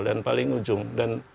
dan paling ujung dan